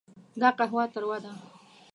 دا قهوه تروه ده.